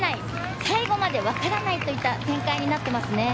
最後までわからないといった展開になっていますね。